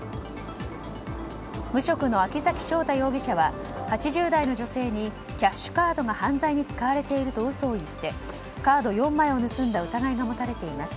無職の明崎将大容疑者は８０代の女性にキャッシュカードが犯罪に使われていると嘘を言ってカード４枚を盗んだ疑いが持たれています。